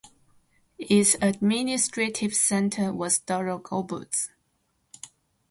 Its administrative centre was Dorogobuzh.